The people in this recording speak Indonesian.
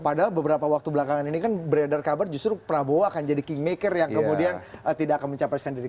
padahal beberapa waktu belakangan ini kan beredar kabar justru prabowo akan jadi king maker yang kemudian tidak akan mencapai skandal ini